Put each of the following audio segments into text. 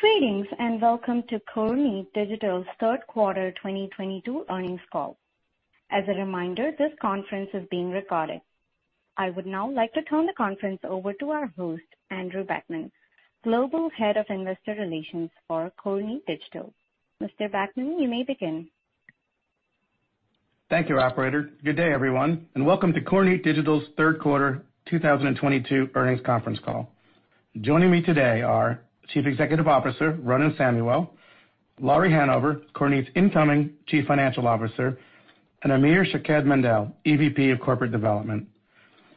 Greetings, and welcome to Kornit Digital's Q3 2022 earnings call. As a reminder, this conference is being recorded. I would now like to turn the conference over to our host, Andrew Backman, Global Head of Investor Relations for Kornit Digital. Mr. Backman, you may begin. Thank you, operator. Good day, everyone, and welcome to Kornit Digital's Q3 2022 earnings conference call. Joining me today are Chief Executive Officer Ronen Samuel, Lauri Hanover, Kornit's Incoming Chief Financial Officer, and Amir Shaked-Mandel, EVP of Corporate Development.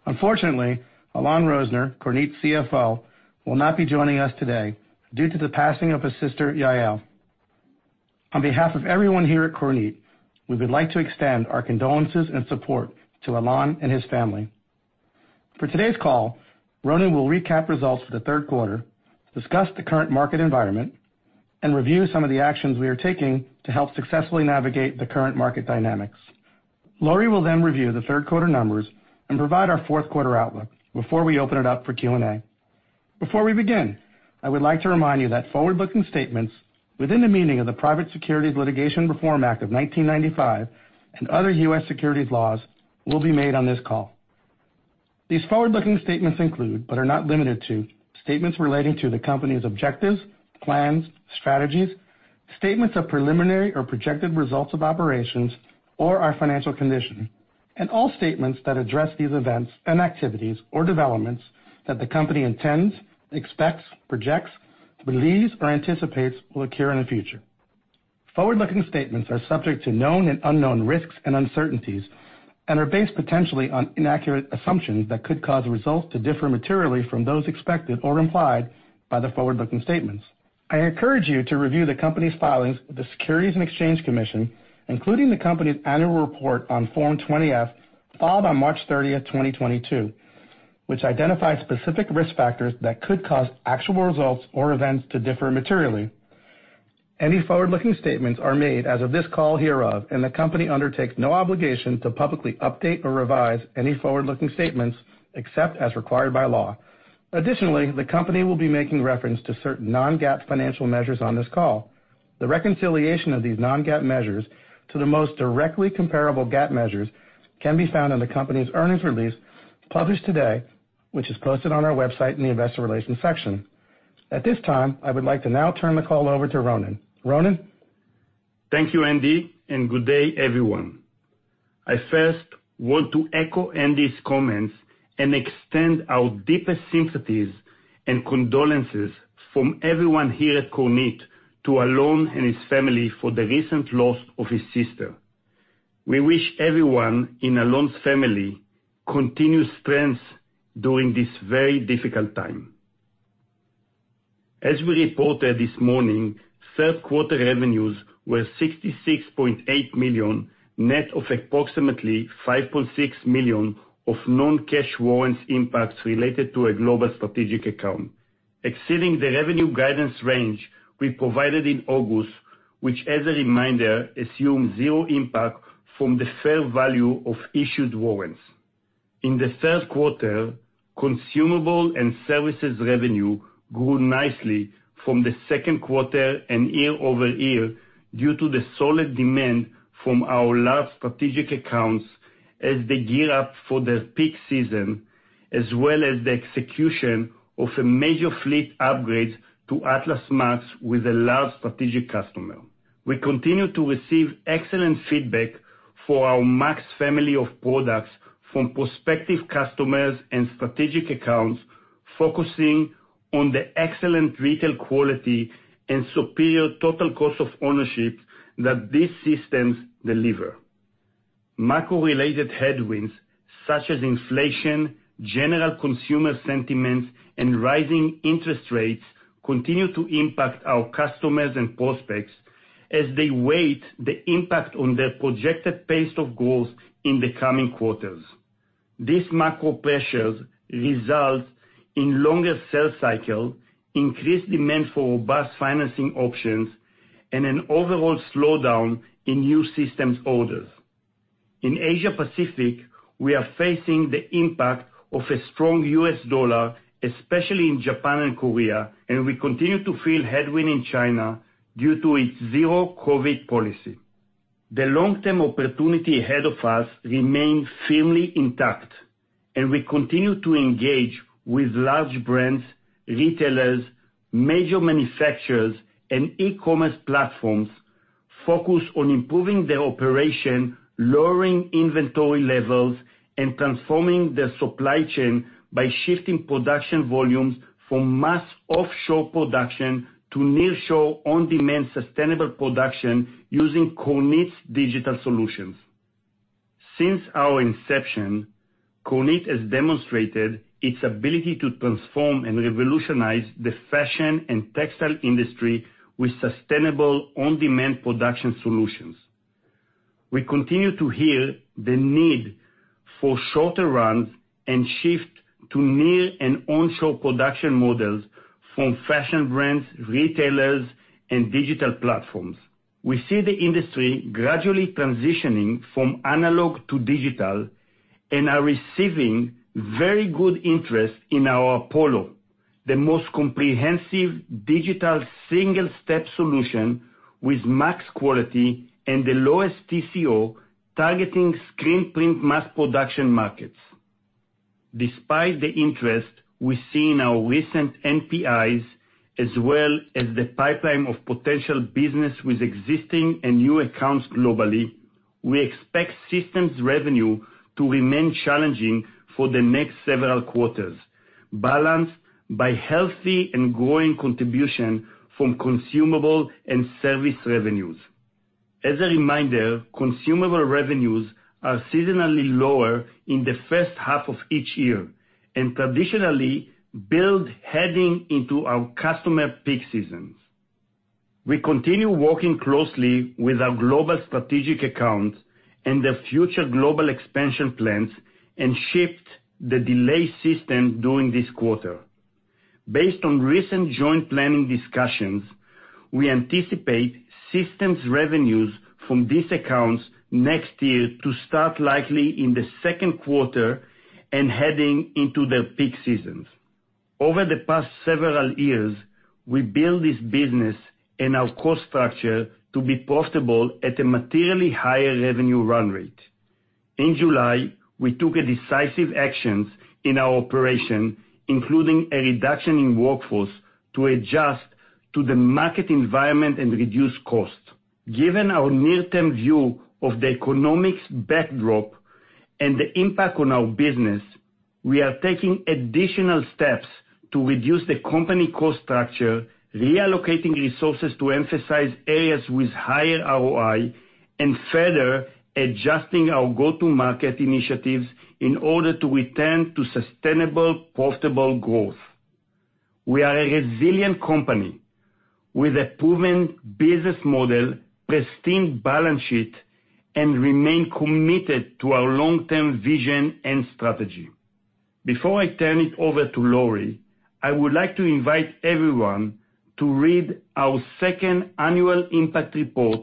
Unfortunately, Alon Rozner, Kornit's CFO, will not be joining us today due to the passing of his sister, Yael. On behalf of everyone here at Kornit, we would like to extend our condolences and support to Alon and his family. For today's call, Ronen will recap results for the Q3, discuss the current market environment, and review some of the actions we are taking to help successfully navigate the current market dynamics. Lauri will then review the Q3 numbers and provide our Q4 outlook before we open it up for Q&A. Before we begin, I would like to remind you that forward-looking statements within the meaning of the Private Securities Litigation Reform Act of 1995 and other U.S. securities laws will be made on this call. These forward-looking statements include, but are not limited to, statements relating to the company's objectives, plans, strategies, statements of preliminary or projected results of operations or our financial condition, and all statements that address these events and activities or developments that the company intends, expects, projects, believes or anticipates will occur in the future. Forward-looking statements are subject to known and unknown risks and uncertainties and are based potentially on inaccurate assumptions that could cause results to differ materially from those expected or implied by the forward-looking statements. I encourage you to review the company's filings with the Securities and Exchange Commission, including the company's annual report on Form 20-F, filed on March 30, 2022, which identifies specific risk factors that could cause actual results or events to differ materially. Any forward-looking statements are made as of the date hereof, and the company undertakes no obligation to publicly update or revise any forward-looking statements, except as required by law. Additionally, the company will be making reference to certain non-GAAP financial measures on this call. The reconciliation of these non-GAAP measures to the most directly comparable GAAP measures can be found in the company's earnings release published today, which is posted on our website in the investor relations section. At this time, I would like to now turn the call over to Ronen. Ronen? Thank you, Andrew, and good day, everyone. I first want to echo Andrew's comments and extend our deepest sympathies and condolences from everyone here at Kornit to Alon and his family for the recent loss of his sister. We wish everyone in Alon's family continued strength during this very difficult time. As we reported this morning, Q3 revenues were $66.8 million, net of approximately $5.6 million of non-cash warrants impacts related to a global strategic account, exceeding the revenue guidance range we provided in August, which as a reminder, assumed zero impact from the fair value of issued warrants. In the Q3, consumable and services revenue grew nicely from the Q2 and year-over-year due to the solid demand from our large strategic accounts as they gear up for their peak season, as well as the execution of a major fleet upgrade to Atlas MAX with a large strategic customer. We continue to receive excellent feedback for our MAX family of products from prospective customers and strategic accounts, focusing on the excellent retail quality and superior total cost of ownership that these systems deliver. Macro-related headwinds such as inflation, general consumer sentiments, and rising interest rates continue to impact our customers and prospects as they weigh the impact on their projected pace of growth in the coming quarters. These macro pressures result in longer sales cycles, increased demand for robust financing options, and an overall slowdown in new systems orders. In Asia Pacific, we are facing the impact of a strong U.S. dollar, especially in Japan and Korea, and we continue to feel headwind in China due to its zero COVID policy. The long-term opportunity ahead of us remains firmly intact, and we continue to engage with large brands, retailers, major manufacturers, and e-commerce platforms focused on improving their operation, lowering inventory levels, and transforming their supply chain by shifting production volumes from mass offshore production to nearshore on-demand sustainable production using Kornit's digital solutions. Since our inception, Kornit has demonstrated its ability to transform and revolutionize the fashion and textile industry with sustainable on-demand production solutions. We continue to hear the need for shorter runs and shift to near and on-shore production models from fashion brands, retailers, and digital platforms. We see the industry gradually transitioning from analog to digital and are receiving very good interest in our Apollo, the most comprehensive digital single-step solution with MAX quality and the lowest TCO, targeting screen print mass production markets. Despite the interest we see in our recent NPIs, as well as the pipeline of potential business with existing and new accounts globally, we expect systems revenue to remain challenging for the next several quarters, balanced by healthy and growing contribution from consumable and service revenues. As a reminder, consumable revenues are seasonally lower in the first half of each year, and traditionally build heading into our customer peak seasons. We continue working closely with our global strategic accounts and their future global expansion plans, and shipped the delayed system during this quarter. Based on recent joint planning discussions, we anticipate systems revenues from these accounts next year to start likely in the Q2 and heading into their peak seasons. Over the past several years, we built this business and our cost structure to be profitable at a materially higher revenue run rate. In July, we took decisive action in our operations, including a reduction in workforce to adjust to the market environment and reduce costs. Given our near-term view of the economic backdrop and the impact on our business, we are taking additional steps to reduce the company cost structure, reallocating resources to emphasize areas with higher ROI, and further adjusting our go-to-market initiatives in order to return to sustainable, profitable growth. We are a resilient company with a proven business model, pristine balance sheet, and we remain committed to our long-term vision and strategy. Before I turn it over to Lauri, I would like to invite everyone to read our second annual impact report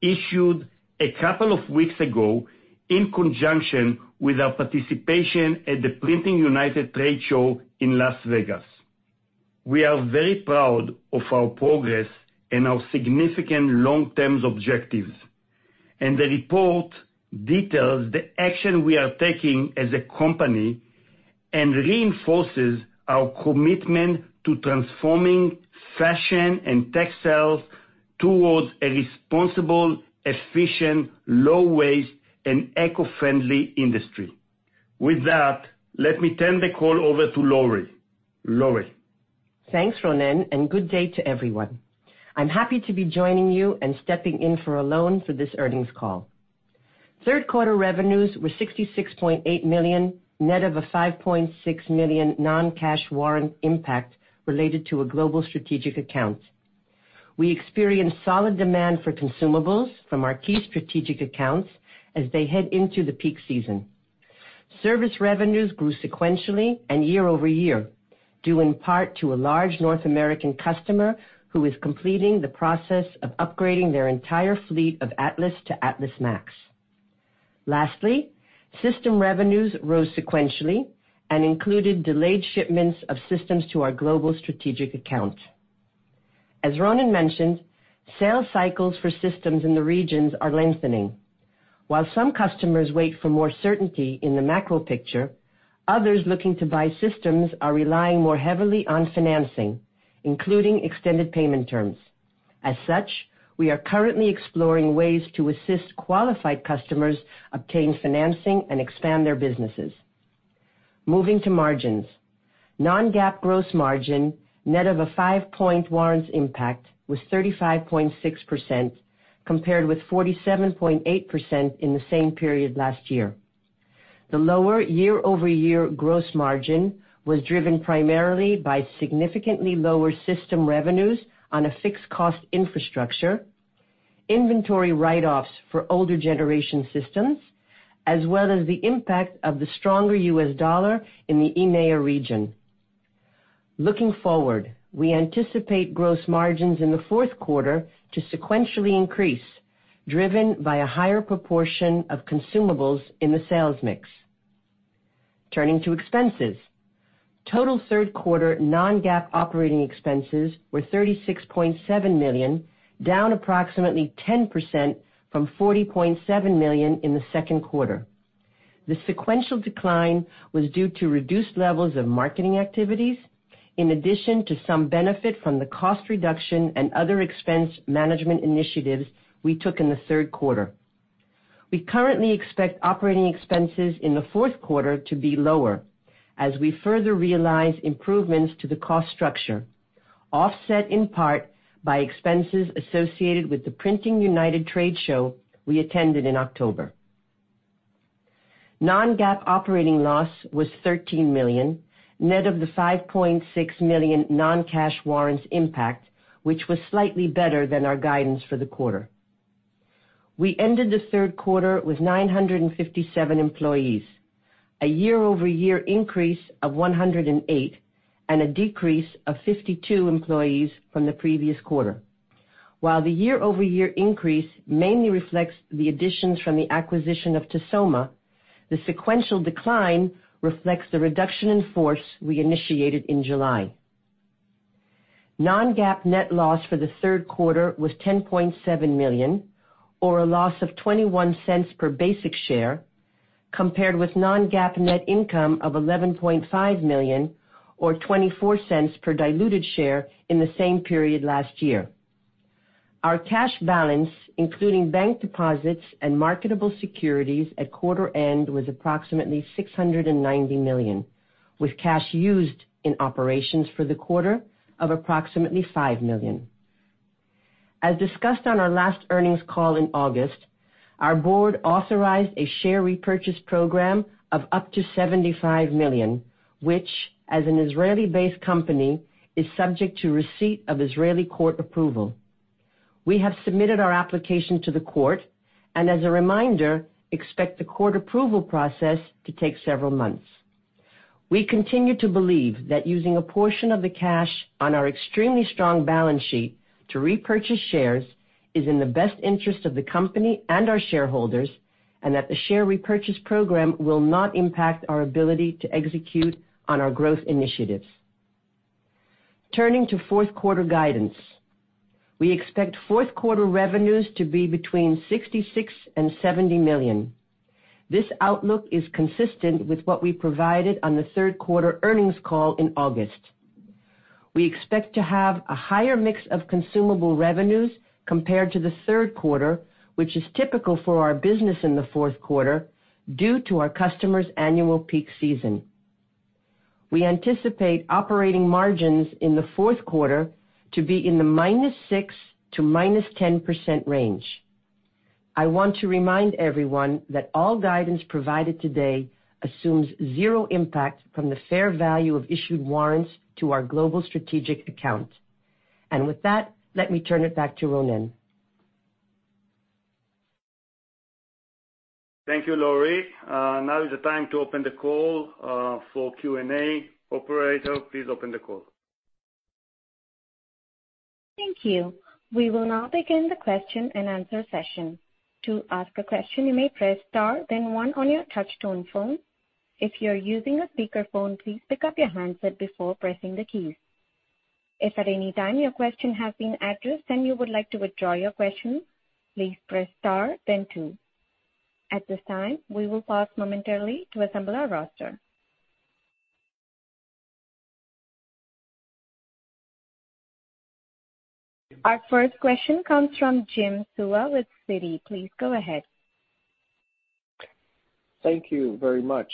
issued a couple of weeks ago in conjunction with our participation at the PRINTING United trade show in Las Vegas. We are very proud of our progress and our significant long-term objectives, and the report details the action we are taking as a company and reinforces our commitment to transforming fashion and textiles towards a responsible, efficient, low waste, and eco-friendly industry. With that, let me turn the call over to Lauri. Lauri? Thanks, Ronen, and good day to everyone. I'm happy to be joining you and stepping in for Alon for this earnings call. Q3 revenues were $66.8 million, net of a $5.6 million non-cash warrant impact related to a global strategic account. We experienced solid demand for consumables from our key strategic accounts as they head into the peak season. Service revenues grew sequentially and year-over-year due in part to a large North American customer who is completing the process of upgrading their entire fleet of Atlas to Atlas MAX. Lastly, system revenues rose sequentially and included delayed shipments of systems to our global strategic account. As Ronen mentioned, sales cycles for systems in the regions are lengthening. While some customers wait for more certainty in the macro picture, others looking to buy systems are relying more heavily on financing, including extended payment terms. As such, we are currently exploring ways to assist qualified customers obtain financing and expand their businesses. Moving to margins. non-GAAP gross margin, net of a 5-point warrants impact, was 35.6%, compared with 47.8% in the same period last year. The lower year-over-year gross margin was driven primarily by significantly lower system revenues on a fixed cost infrastructure, inventory write-offs for older generation systems, as well as the impact of the stronger US dollar in the EMEA region. Looking forward, we anticipate gross margins in the Q4 to sequentially increase, driven by a higher proportion of consumables in the sales mix. Turning to expenses. Total Q3 non-GAAP operating expenses were $36.7 million, down approximately 10% from $40.7 million in the Q2. The sequential decline was due to reduced levels of marketing activities in addition to some benefit from the cost reduction and other expense management initiatives we took in the Q3 We currently expect operating expenses in the Q4 to be lower as we further realize improvements to the cost structure, offset in part by expenses associated with the PRINTING United trade show we attended in October. Non-GAAP operating loss was $13 million, net of the $5.6 million non-cash warrants impact, which was slightly better than our guidance for the quarter. We ended the Q3 with 957 employees, a year-over-year increase of 108, and a decrease of 52 employees from the previous quarter. While the year-over-year increase mainly reflects the additions from the acquisition of Tesoma, the sequential decline reflects the reduction in force we initiated in July. non-GAAP net loss for the Q3 was $10.7 million, or a loss of $0.21 per basic share, compared with non-GAAP net income of $11.5 million, or $0.24 per diluted share in the same period last year. Our cash balance, including bank deposits and marketable securities at quarter end, was approximately $690 million, with cash used in operations for the quarter of approximately $5 million. As discussed on our last earnings call in August, our board authorized a share repurchase program of up to $75 million, which, as an Israeli-based company, is subject to receipt of Israeli court approval. We have submitted our application to the court and, as a reminder, expect the court approval process to take several months. We continue to believe that using a portion of the cash on our extremely strong balance sheet to repurchase shares is in the best interest of the company and our shareholders, and that the share repurchase program will not impact our ability to execute on our growth initiatives. Turning to Q4 guidance. We expect Q4 revenues to be between $66 million and $70 million. This outlook is consistent with what we provided on the Q3 earnings call in August. We expect to have a higher mix of consumable revenues compared to the Q3, which is typical for our business in the Q4, due to our customers' annual peak season. We anticipate operating margins in the Q4 to be in the -6% to -10% range. I want to remind everyone that all guidance provided today assumes zero impact from the fair value of issued warrants to our global strategic account. With that, let me turn it back to Ronen. Thank you, Lauri. Now is the time to open the call for Q&A. Operator, please open the call. Thank you. We will now begin the question-and-answer session. To ask a question, you may press star then one on your touch tone phone. If you're using a speaker phone, please pick up your handset before pressing the keys. If at any time your question has been addressed and you would like to withdraw your question, please press star then two. At this time, we will pause momentarily to assemble our roster. Our first question comes from Jim Suva with Citi. Please go ahead. Thank you very much.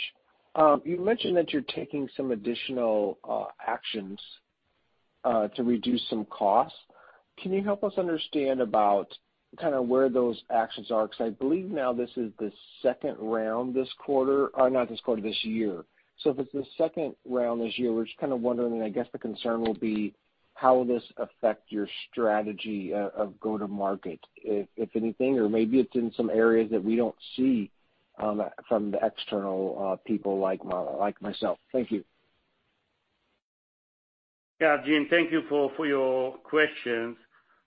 You mentioned that you're taking some additional actions to reduce some costs. Can you help us understand about kinda where those actions are? 'Cause I believe now this is the second round this year. If it's the second round this year, we're just kinda wondering, and I guess the concern will be how will this affect your strategy of go-to-market, if anything? Or maybe it's in some areas that we don't see from the external people like myself. Thank you. Yeah. Jim, thank you for your questions.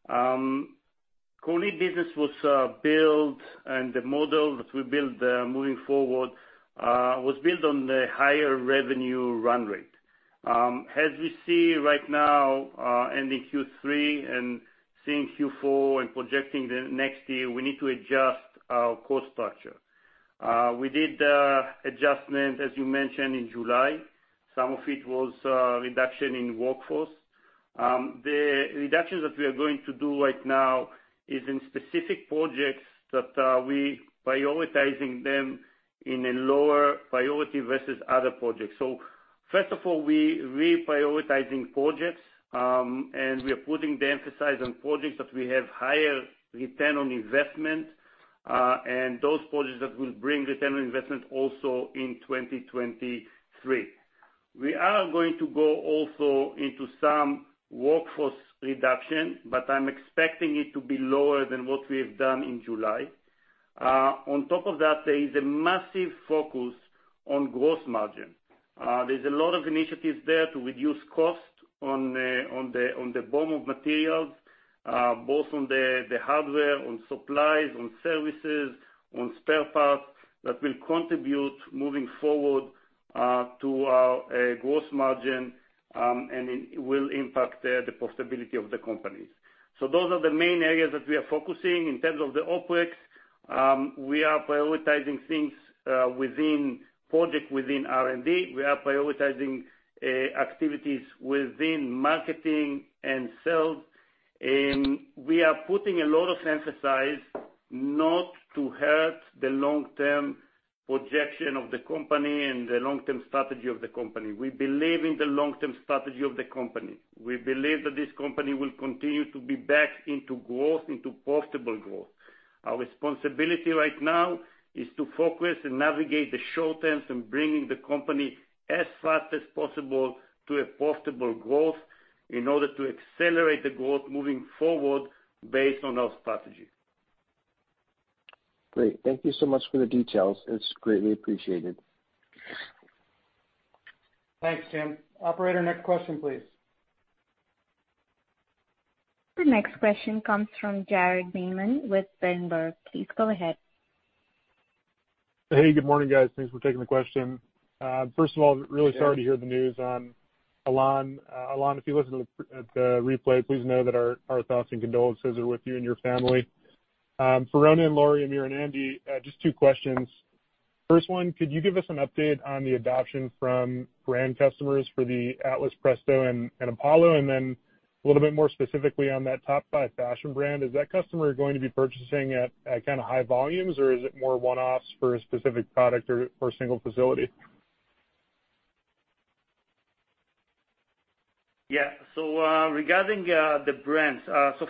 Kornit business was built and the model that we built moving forward was built on the higher revenue run rate. As we see right now ending Q3 and seeing Q4 and projecting the next year, we need to adjust our cost structure. We did adjustment, as you mentioned, in July. Some of it was reduction in workforce. The reductions that we are going to do right now is in specific projects that we prioritizing them in a lower priority versus other projects. First of all, we reprioritizing projects and we are putting the emphasis on projects that we have higher return on investment and those projects that will bring return on investment also in 2023. We are going to go also into some workforce reduction, but I'm expecting it to be lower than what we have done in July. On top of that, there is a massive focus on gross margin. There's a lot of initiatives there to reduce costs on the bill of materials, both on the hardware, on supplies, on services, on spare parts that will contribute moving forward to our gross margin, and it will impact the profitability of the companies. Those are the main areas that we are focusing. In terms of the OpEx, we are prioritizing things within projects within R&D. We are prioritizing activities within marketing and sales. We are putting a lot of emphasis not to hurt the long-term projection of the company and the long-term strategy of the company. We believe in the long-term strategy of the company. We believe that this company will continue to get back into growth, into profitable growth. Our responsibility right now is to focus and navigate the short term and bringing the company as fast as possible to a profitable growth in order to accelerate the growth moving forward based on our strategy. Great. Thank you so much for the details. It's greatly appreciated. Thanks, Jim. Operator, next question, please. The next question comes from Jared Maymon with Bloomberg. Please go ahead. Hey, good morning, guys. Thanks for taking the question. First of all, really sorry to hear the news on Alon. Alon, if you listen to the replay, please know that our thoughts and condolences are with you and your family. For Ronen and Lauri, Amir and Andrew, just two questions. First one, could you give us an update on the adoption from brand customers for the Atlas, Presto, and Apollo? A little bit more specifically on that top five fashion brand, is that customer going to be purchasing at kinda high volumes, or is it more one-offs for a specific product or a single facility? Yeah. Regarding the brands.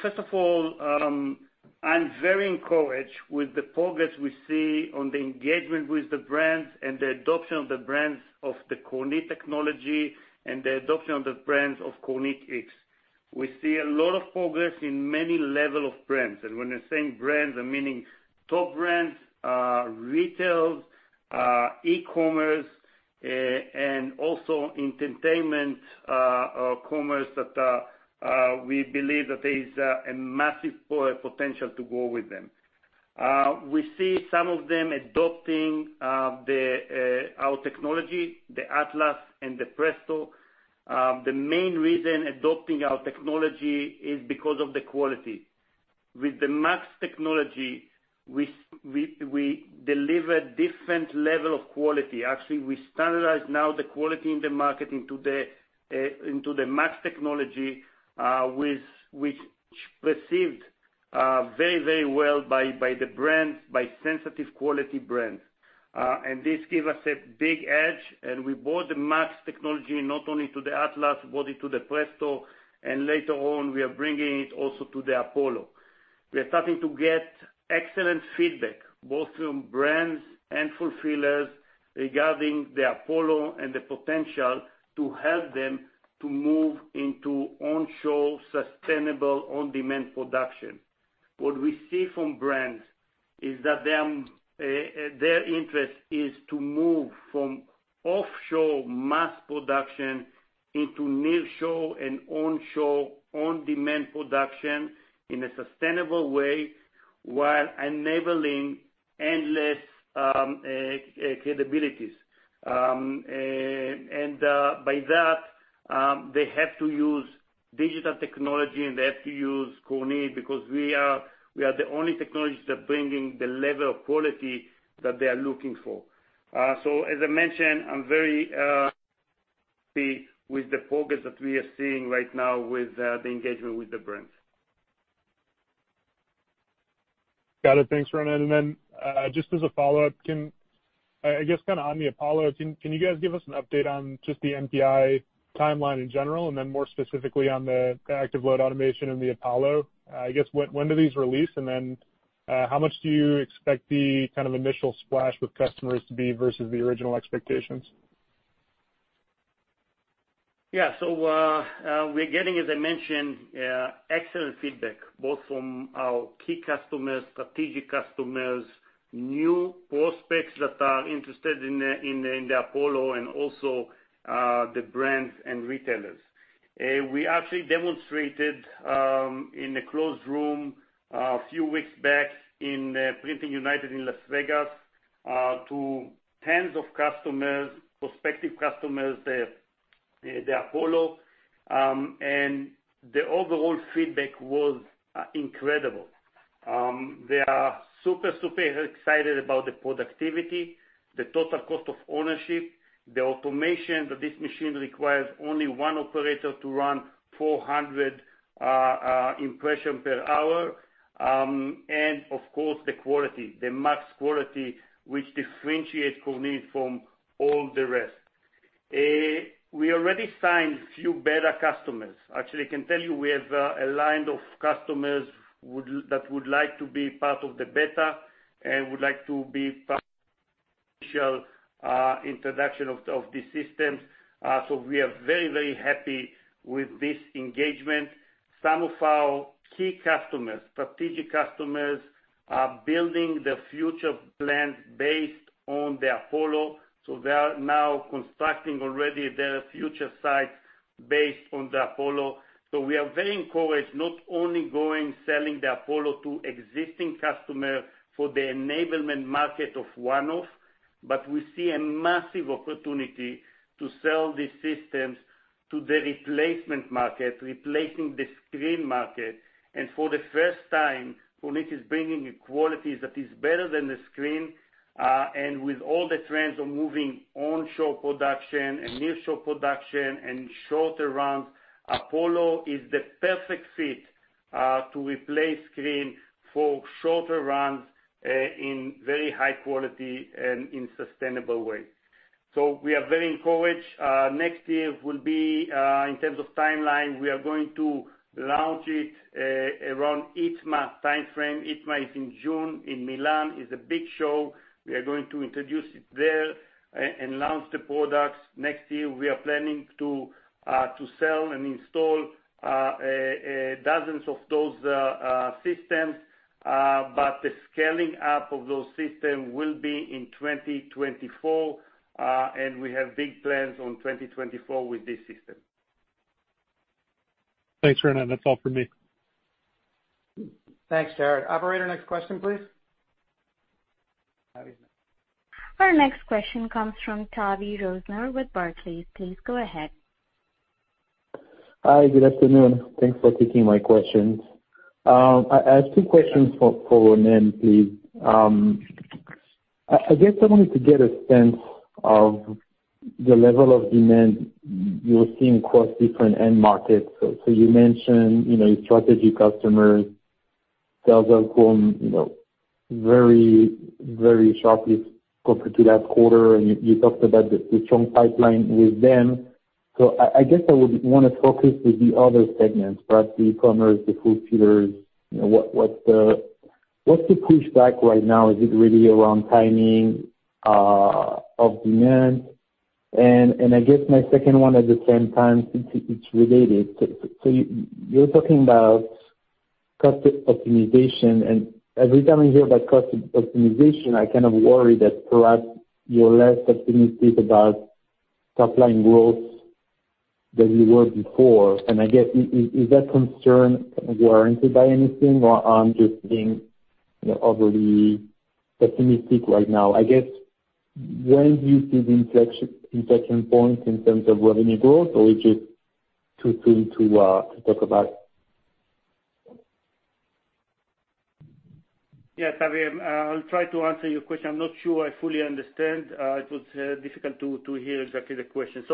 First of all, I'm very encouraged with the progress we see on the engagement with the brands and the adoption of the brands of the Kornit technology and the adoption of the brands of KornitX. We see a lot of progress in many level of brands. When I'm saying brands, I'm meaning top brands, retailers, e-commerce, and also entertainment commerce that we believe that there is a massive potential to go with them. We see some of them adopting our technology, the Atlas and the Presto. The main reason adopting our technology is because of the quality. With the MAX technology, we deliver different level of quality. Actually, we standardize now the quality in the market into the MAX technology, which received very, very well by the brands, by sensitive quality brands. This give us a big edge, and we brought the MAX technology not only to the Atlas to the Presto, and later on, we are bringing it also to the Apollo. We are starting to get excellent feedback, both from brands and fulfillers regarding the Apollo and the potential to help them to move into onshore, sustainable, on-demand production. What we see from brands is that their interest is to move from offshore mass production into nearshore and onshore, on-demand production in a sustainable way, while enabling endless capabilities. By that, they have to use digital technology, and they have to use Kornit because we are the only technology that bringing the level of quality that they are looking for. As I mentioned, I'm very happy with the progress that we are seeing right now with the engagement with the brands. Got it. Thanks, Ronen. Just as a follow-up, I guess, kinda on the Apollo, can you guys give us an update on just the NPI timeline in general, and then more specifically on the ActiveLoad Automation in the Apollo? I guess, when do these release? How much do you expect the kind of initial splash with customers to be versus the original expectations? Yeah. We're getting, as I mentioned, excellent feedback, both from our key customers, strategic customers, new prospects that are interested in the Apollo and also the brands and retailers. We actually demonstrated in a closed room a few weeks back in PRINTING United in Las Vegas to tens of customers, prospective customers the Apollo. The overall feedback was incredible. They are super excited about the productivity, the total cost of ownership, the automation that this machine requires only one operator to run 400 impression per hour, and of course, the quality, the MAX quality, which differentiates Kornit from all the rest. We already signed a few beta customers. Actually, I can tell you we have a line of customers that would like to be part of the beta and would like to be part of the official introduction of the systems. We are very, very happy with this engagement. Some of our key customers, strategic customers are building their future plans based on the Apollo, so they are now constructing already their future sites based on the Apollo. We are very encouraged, not only going selling the Apollo to existing customer for the enablement market of one-off, but we see a massive opportunity to sell these systems to the replacement market, replacing the screen market. For the first time, Kornit is bringing a quality that is better than the screen. With all the trends of moving onshore production and nearshore production and shorter runs, Apollo is the perfect fit to replace screen for shorter runs in very high quality and in sustainable way. We are very encouraged. Next year, in terms of timeline, we are going to launch it around ITMA timeframe. ITMA is in June in Milan, a big show. We are going to introduce it there and launch the products. Next year, we are planning to sell and install dozens of those systems. The scaling up of those systems will be in 2024, and we have big plans on 2024 with this system. Thanks, Ronen. That's all for me. Thanks, Jared. Operator, next question, please. Our next question comes from Tavy Rosner with Barclays. Please go ahead. Hi, good afternoon. Thanks for taking my questions. I have two questions for Ronen, please. I guess I wanted to get a sense of the level of demand you're seeing across different end markets. So you mentioned, you know, your strategic customers, sales are growing, you know, very sharply compared to last quarter, and you talked about the strong pipeline with them. I guess I would want to focus on the other segments, perhaps the e-commerce, the fulfillers, you know, what's the pushback right now? Is it really around timing of demand? I guess my second one at the same time, it's related. You're talking about cost optimization, and every time I hear about cost optimization, I kind of worry that perhaps you're less optimistic about top line growth than you were before. I guess, is that concern kind of warranted by anything, or I'm just being, you know, overly pessimistic right now? I guess, when do you see the inflection point in terms of revenue growth, or is it too soon to talk about? Yeah, Tavy, I'll try to answer your question. I'm not sure I fully understand. It was difficult to hear exactly the question.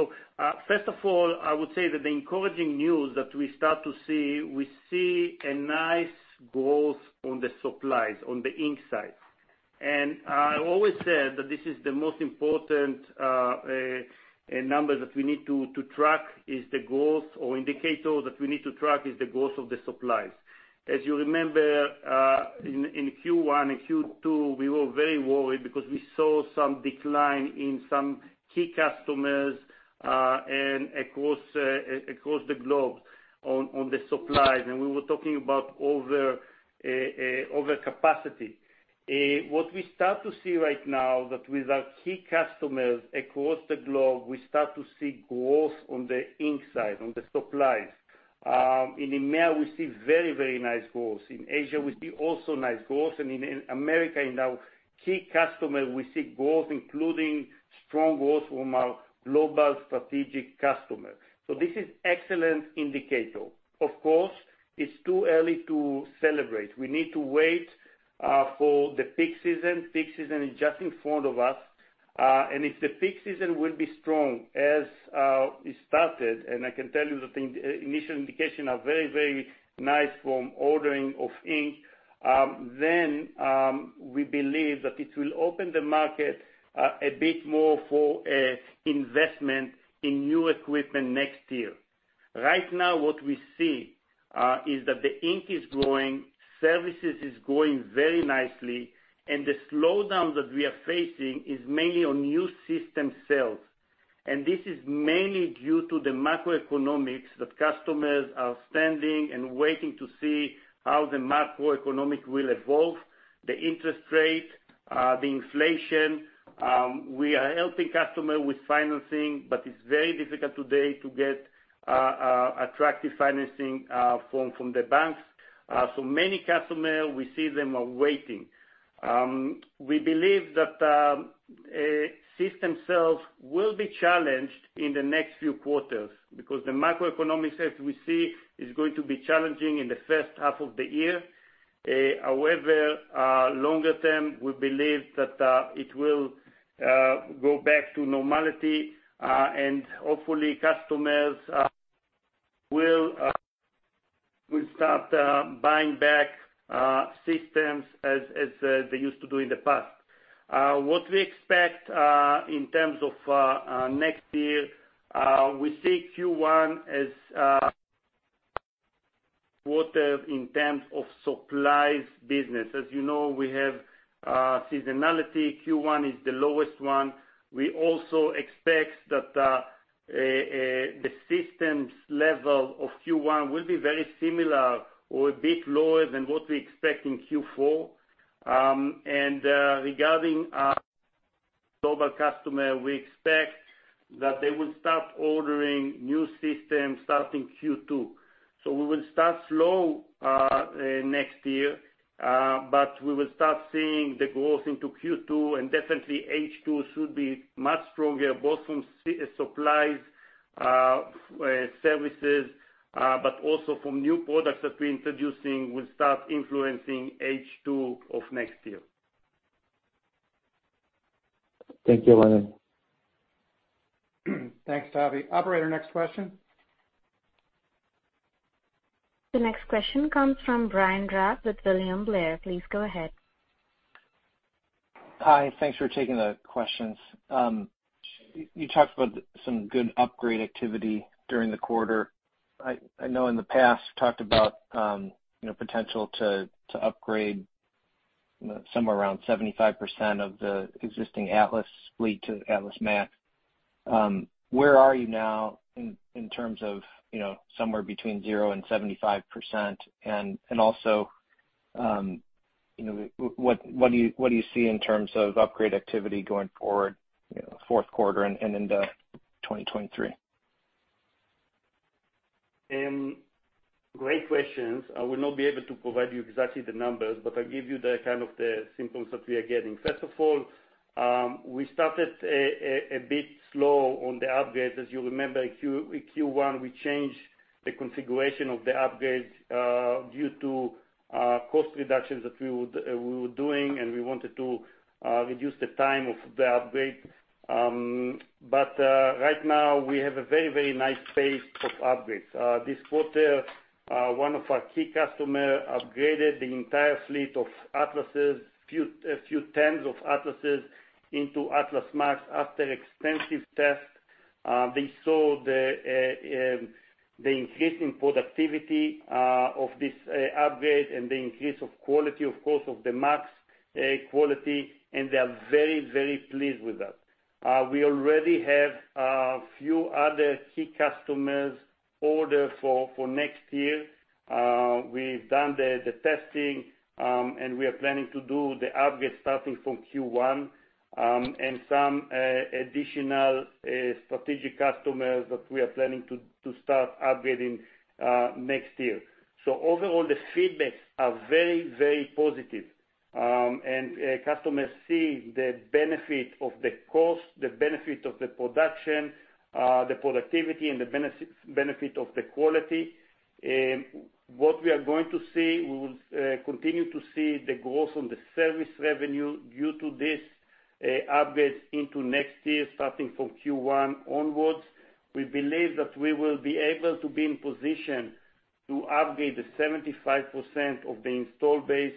First of all, I would say that the encouraging news that we start to see, we see a nice growth on the supplies, on the ink side. I always said that this is the most important number that we need to track is the growth or indicator that we need to track is the growth of the supplies. As you remember, in Q1 and Q2, we were very worried because we saw some decline in some key customers and across the globe on the supplies, and we were talking about overcapacity. What we start to see right now that with our key customers across the globe, we start to see growth on the ink side, on the supplies. In EMEA, we see very, very nice growth. In Asia, we see also nice growth. In America, in our key customer, we see growth, including strong growth from our global strategic customer. This is excellent indicator. Of course, it's too early to celebrate. We need to wait for the peak season. Peak season is just in front of us. If the peak season will be strong as it started, and I can tell you that the initial indication are very, very nice from ordering of ink, then we believe that it will open the market a bit more for a investment in new equipment next year. Right now, what we see is that the ink is growing, services is growing very nicely, and the slowdown that we are facing is mainly on new system sales. This is mainly due to the macroeconomics, that customers are standing and waiting to see how the macroeconomic will evolve, the interest rate, the inflation. We are helping customers with financing, but it's very difficult today to get attractive financing from the banks. Many customers, we see them are waiting. We believe that system sales will be challenged in the next few quarters because the macroeconomics that we see is going to be challenging in the first half of the year. However, longer term, we believe that it will go back to normality, and hopefully customers will start buying back systems as they used to do in the past. What we expect in terms of next year, we see Q1 as quarter in terms of supplies business. As you know, we have seasonality. Q1 is the lowest one. We also expect that the systems level of Q1 will be very similar or a bit lower than what we expect in Q4. Regarding our global customer, we expect that they will start ordering new systems starting Q2. We will start slow next year, but we will start seeing the growth into Q2, and definitely H2 should be much stronger, both from supplies, services, but also from new products that we're introducing will start influencing H2 of next year. Thank you, Ronen. Thanks, Tavy. Operator, next question. The next question comes from Brian Drab with William Blair. Please go ahead. Hi. Thanks for taking the questions. You talked about some good upgrade activity during the quarter. I know in the past, you talked about, you know, potential to upgrade somewhere around 75% of the existing Atlas fleet to Atlas MAX. Where are you now in terms of, you know, somewhere between 0% and 75%? Also, you know, what do you see in terms of upgrade activity going forward, you know, Q4 and into 2023? Great questions. I will not be able to provide you exactly the numbers, but I'll give you the kind of the symptoms that we are getting. First of all, we started a bit slow on the upgrades. As you remember in Q1, we changed the configuration of the upgrades due to cost reductions we were doing, and we wanted to reduce the time of the upgrade. Right now we have a very nice pace of upgrades. This quarter, one of our key customer upgraded the entire fleet of Atlases, a few tens of Atlases into Atlas MAX after extensive tests. They saw the increase in productivity of this upgrade and the increase of quality, of course, of the MAX quality, and they are very, very pleased with that. We already have a few other key customers order for next year. We've done the testing, and we are planning to do the upgrade starting from Q1. Some additional strategic customers that we are planning to start upgrading next year. Overall, the feedbacks are very, very positive. Customers see the benefit of the cost, the benefit of the production, the productivity and the benefit of the quality. What we are going to see, we will continue to see the growth on the service revenue due to this upgrades into next year, starting from Q1 onwards. We believe that we will be able to be in position to upgrade the 75% of the installed base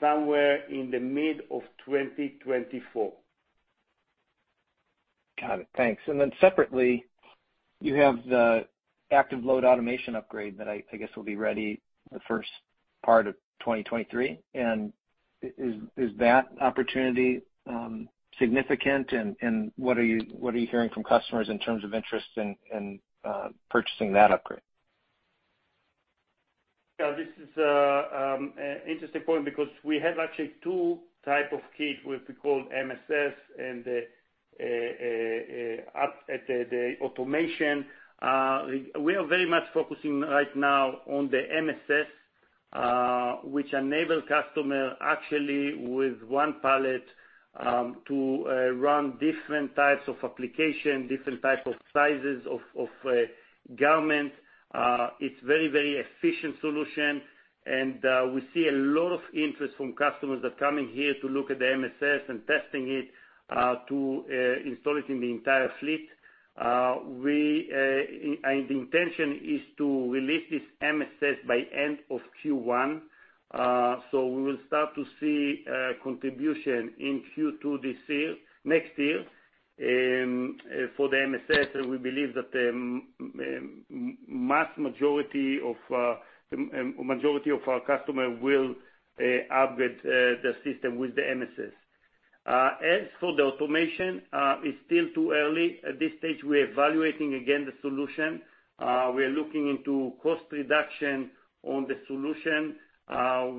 somewhere in the mid of 2024. Got it. Thanks. Then separately, you have the ActiveLoad Automation upgrade that I guess will be ready the first part of 2023. Is that opportunity significant and what are you hearing from customers in terms of interest in purchasing that upgrade? Yeah, this is an interesting point because we have actually two types of kits, what we call MSS and the automation. We are very much focusing right now on the MSS, which enables customers actually with one pallet to run different types of applications, different types of sizes of garment. It's very efficient solution, and we see a lot of interest from customers that come in here to look at the MSS and test it to install it in the entire fleet. The intention is to release this MSS by end of Q1. So we will start to see contribution in Q2 this year, next year. For the MSS, we believe that the majority of our customers will upgrade the system with the MSS. As for the automation, it's still too early. At this stage, we are evaluating again the solution. We are looking into cost reduction on the solution.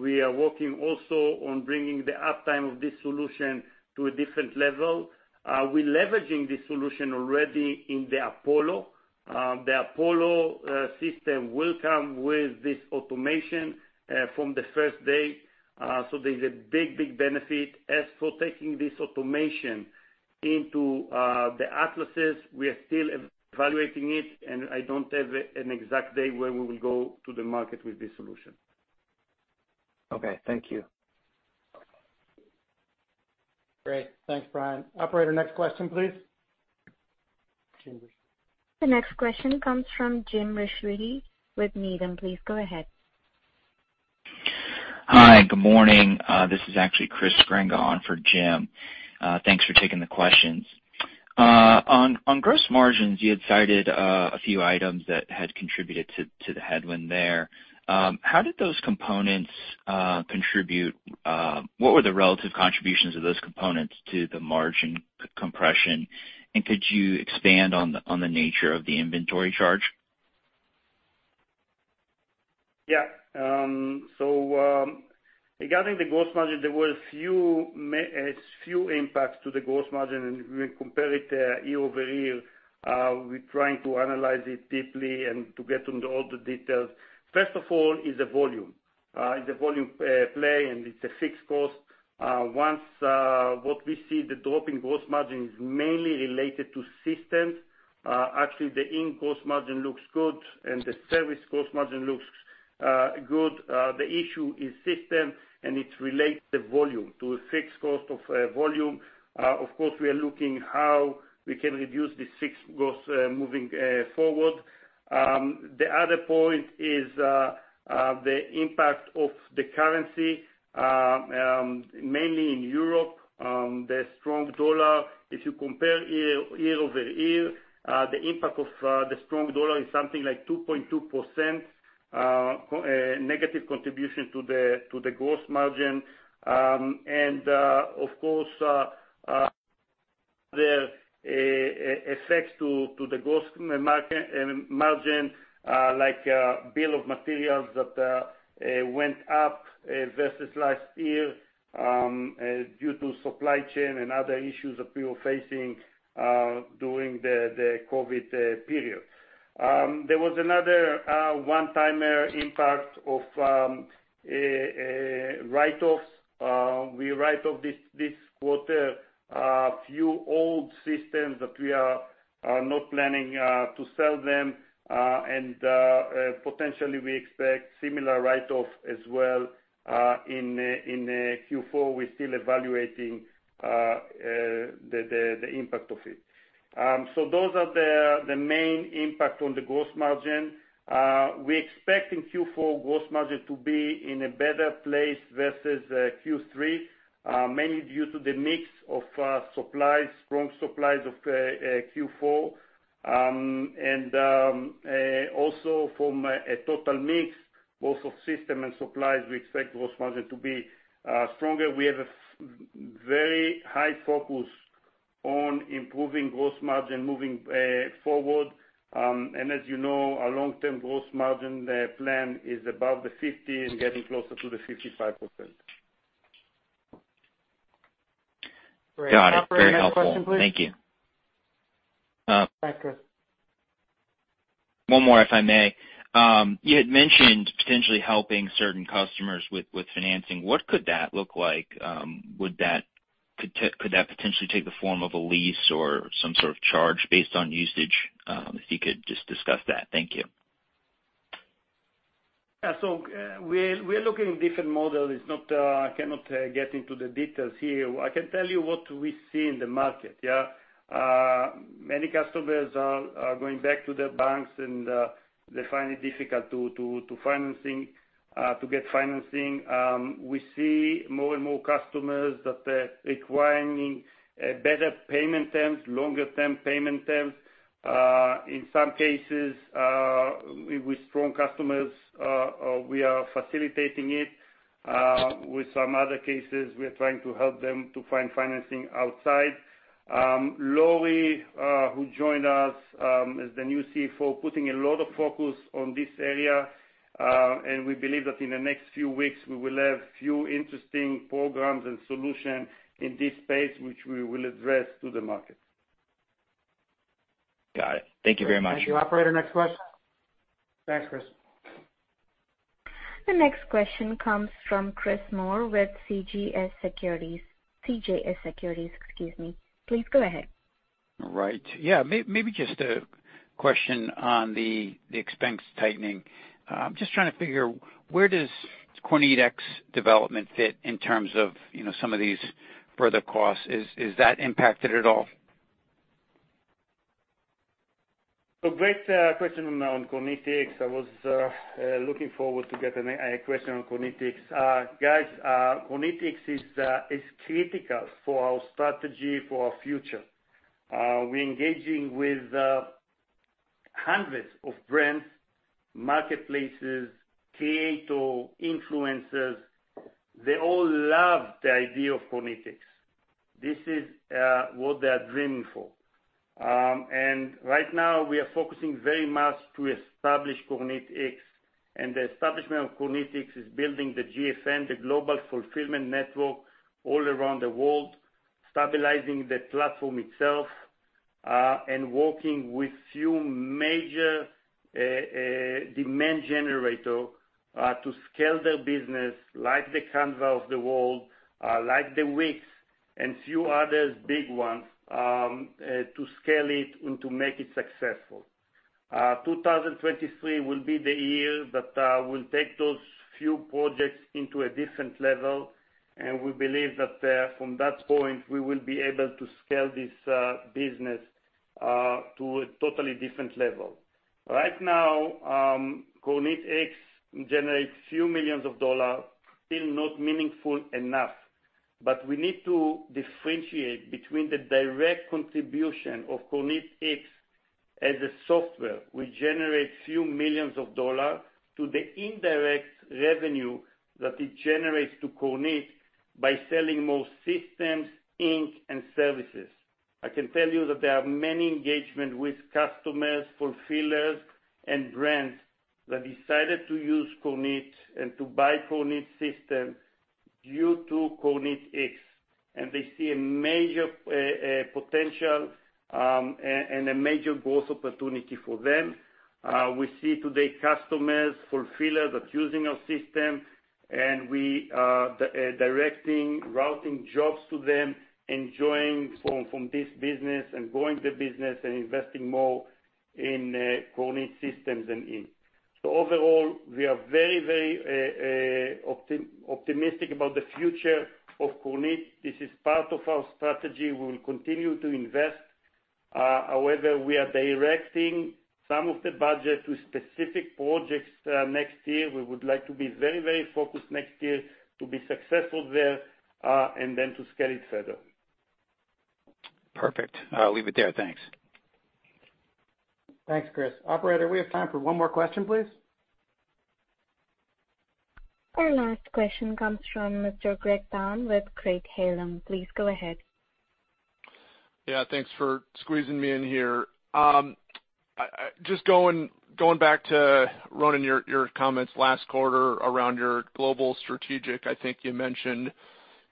We are working also on bringing the uptime of this solution to a different level. We leveraging this solution already in the Apollo. The Apollo system will come with this automation from the first day. So there's a big benefit. As for taking this automation into the Atlases, we are still evaluating it, and I don't have an exact date when we will go to the market with this solution. Okay, thank you. Great. Thanks, Brian. Operator, next question, please. The next question comes from Jim Ricchiuti with Needham. Please go ahead. Hi, good morning. This is actually Chris Grenga for Jim. Thanks for taking the questions. On gross margins, you had cited a few items that had contributed to the headwind there. How did those components contribute? What were the relative contributions of those components to the margin compression? Could you expand on the nature of the inventory charge? Regarding the gross margin, there were a few impacts to the gross margin, and we compare it year-over-year. We're trying to analyze it deeply and to get into all the details. First of all is the volume. It's a volume play, and it's a fixed cost. Once what we see the drop in gross margin is mainly related to systems. Actually the ink gross margin looks good and the service gross margin looks good. The issue is system and it relates the volume to a fixed cost of volume. Of course, we are looking how we can reduce the fixed gross moving forward. The other point is the impact of the currency mainly in Europe, the strong dollar. If you compare year-over-year, the impact of the strong dollar is something like 2.2%, a negative contribution to the gross margin. Of course, the effects to the gross margin, like bill of materials that went up versus last year due to supply chain and other issues that we were facing during the COVID period. There was another one-timer impact of write-offs. We write off this quarter a few old systems that we are not planning to sell them. Potentially we expect similar write-off as well in Q4. We're still evaluating the impact of it. Those are the main impact on the gross margin. We expect in Q4 gross margin to be in a better place versus Q3, mainly due to the mix of supplies, strong supplies of Q4. Also from a total mix, both of system and supplies, we expect gross margin to be stronger. We have a very high focus on improving gross margin moving forward. As you know, our long-term gross margin plan is above the 50% and getting closer to the 55%. Got it. Very helpful. Thank you. Operator, next question, please. Thanks, Chris. The next question comes from Chris Moore with CJS Securities, excuse me. Please go ahead. Right. Yeah. Maybe just a question on the expense tightening. I'm just trying to figure where does KornitX development fit in terms of, you know, some of these further costs. Is that impacted at all? Great question on KornitX. I was looking forward to get a question on KornitX. Guys, KornitX is critical for our strategy, for our future. We're engaging with hundreds of brands, marketplaces, creators, influencers. They all love the idea of KornitX. This is what they are dreaming for. Right now we are focusing very much to establish KornitX. The establishment of KornitX is building the GFN, the Global Fulfillment Network, all around the world, stabilizing the platform itself, and working with a few major demand generators to scale their business like the Canva of the world, like the Wix and a few others big ones, to scale it and to make it successful. 2023 will be the year that we'll take those few projects into a different level, and we believe that from that point, we will be able to scale this business to a totally different level. Right now, KornitX generates few million dollars, still not meaningful enough. We need to differentiate between the direct contribution of KornitX as a software, which generates few million dollars, to the indirect revenue that it generates to Kornit by selling more systems, ink, and services. I can tell you that there are many engagements with customers, fulfillers, and brands that decided to use Kornit and to buy Kornit system due to KornitX, and they see a major potential and a major growth opportunity for them. We see today customers, fulfillers that's using our system, and we directing routing jobs to them, enjoying from this business and growing the business and investing more in Kornit systems and ink. Overall, we are very optimistic about the future of Kornit. This is part of our strategy. We will continue to invest. However, we are directing some of the budget to specific projects next year. We would like to be very focused next year to be successful there and then to scale it further. Perfect. I'll leave it there. Thanks. Thanks, Chris. Operator, we have time for one more question, please. Our last question comes from Mr. Greg Palm with Craig-Hallum. Please go ahead. Yeah, thanks for squeezing me in here. Just going back to, Ronen, your comments last quarter around your global strategic. I think you mentioned,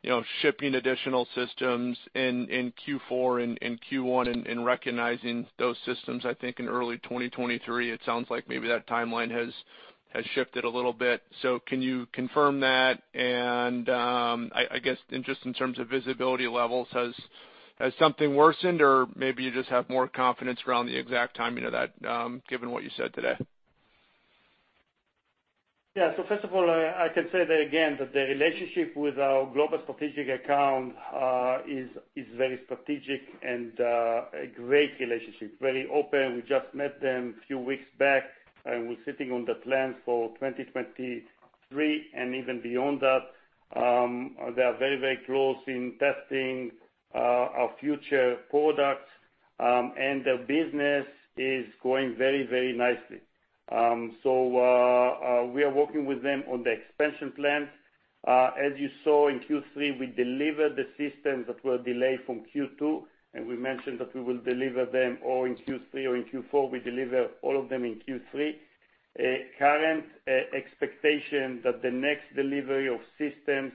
you know, shipping additional systems in Q4 and in Q1 and recognizing those systems, I think, in early 2023. It sounds like maybe that timeline has shifted a little bit. Can you confirm that? I guess just in terms of visibility levels, has something worsened or maybe you just have more confidence around the exact timing of that, given what you said today? Yeah. First of all, I can say that again, that the relationship with our global strategic account is very strategic and a great relationship, very open. We just met them a few weeks back, and we're sitting on the plans for 2023 and even beyond that. They are very, very close in testing our future products, and the business is going very, very nicely. We are working with them on the expansion plans. As you saw in Q3, we delivered the systems that were delayed from Q2, and we mentioned that we will deliver them all in Q3 or in Q4. We deliver all of them in Q3. Our current expectation that the next delivery of systems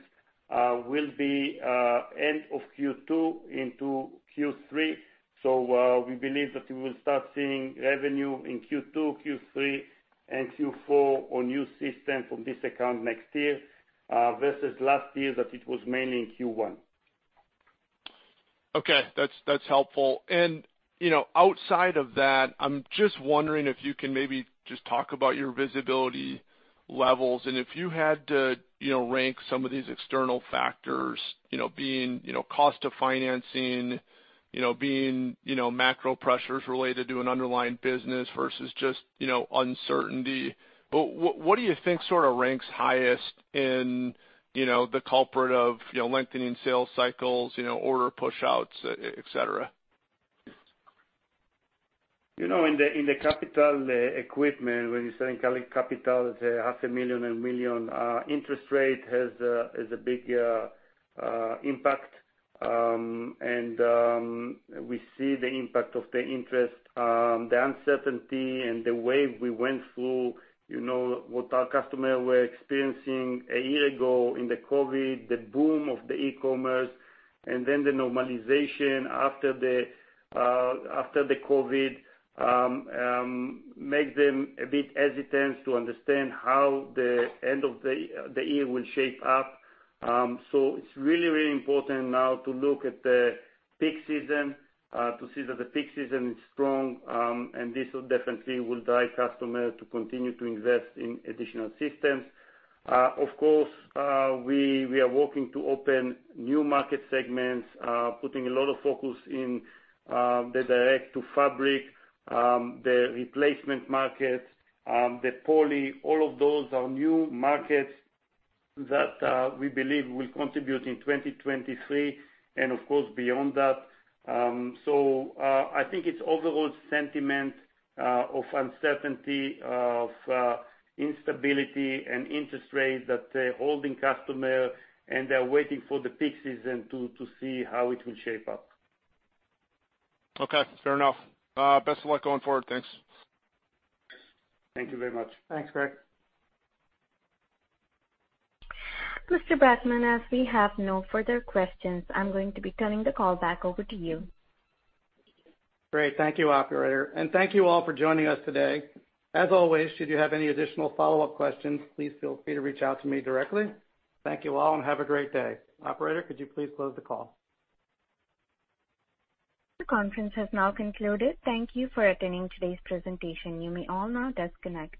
will be end of Q2 into Q3. We believe that we will start seeing revenue in Q2, Q3, and Q4 on new systems from this account next year, versus last year that it was mainly in Q1. Okay. That's helpful. You know, outside of that, I'm just wondering if you can maybe just talk about your visibility levels, and if you had to, you know, rank some of these external factors, you know, being, you know, cost of financing, you know, being, you know, macro pressures related to an underlying business versus just, you know, uncertainty. What do you think sorta ranks highest in, you know, the culprit of, you know, lengthening sales cycles, you know, order push-outs, et cetera? You know, in the capital equipment, when you're selling capital, it's $0.5 million and $1 million. Interest rate has a big impact. We see the impact of the interest. The uncertainty and the way we went through, you know, what our customers were experiencing a year ago in the COVID, the boom of the e-commerce and then the normalization after the COVID makes them a bit hesitant to understand how the end of the year will shape up. It's really important now to look at the peak season to see that the peak season is strong, and this will definitely drive customers to continue to invest in additional systems. Of course, we are working to open new market segments, putting a lot of focus in the direct-to-fabric, the replacement markets, the poly. All of those are new markets that we believe will contribute in 2023 and of course, beyond that. I think it's overall sentiment of uncertainty, of instability and interest rates that are holding customers, and they're waiting for the peak season to see how it will shape up. Okay. Fair enough. Best of luck going forward. Thanks. Thank you very much. Thanks, Greg. Mr. Backman, as we have no further questions, I'm going to be turning the call back over to you. Great. Thank you, operator, and thank you all for joining us today. As always, should you have any additional follow-up questions, please feel free to reach out to me directly. Thank you all, and have a great day. Operator, could you please close the call? The conference has now concluded. Thank you for attending today's presentation. You may all now disconnect.